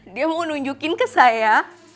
dia mau nunjukin ke saya